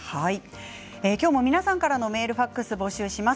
今日も皆さんからのメール、ファックスを募集します。